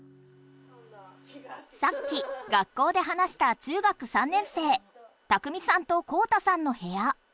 さっき学校で話した中学３年生拓海さんと宏太さんのへや。